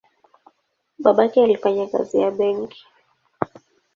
Babake alifanya kazi ya benki.